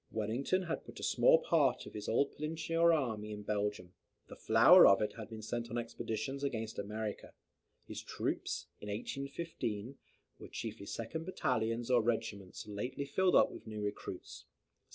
Wellington had but a small part of his old Peninsular army in Belgium. The flower of it had been sent on the expeditions against America. His troops, in 1815, were chiefly second battalions, or regiments lately filled up with new recruits.